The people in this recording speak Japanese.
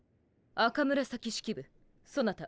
赤紫式部そなた